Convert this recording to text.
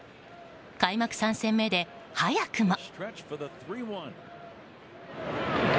開幕３戦目で、早くも。